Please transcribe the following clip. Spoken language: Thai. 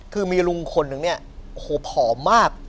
คือมีลุงคนนึงเนี่ยโอ้โหผอมมาก